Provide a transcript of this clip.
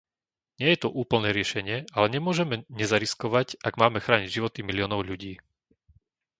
Nie je to úplné riešenie, ale nemôžeme nezariskovať, ak máme chrániť životy miliónov ľudí.